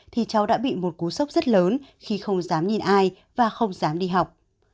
thì cháu đã bị một cú sốc rất lớn khi không dám nhìn ai và không dám đi học